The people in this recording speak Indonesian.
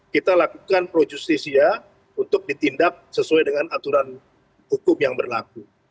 kita lakukan pro justisia untuk ditindak sesuai dengan aturan hukum yang berlaku